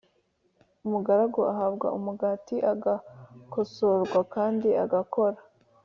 umugaragu ahabwa umugati, agakosorwa kandi agakora.